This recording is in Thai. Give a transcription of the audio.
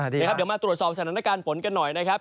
เดี๋ยวมาตรวจสอบสถานการณ์ฝนกันหน่อยนะครับ